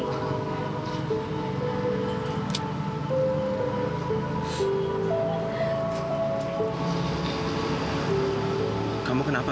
tapi dia kayaknya tidak ada apa apa